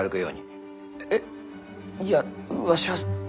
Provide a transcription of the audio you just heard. えっいやわしはそんな。